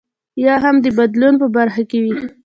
یا هم د بدلون په برخه کې وي.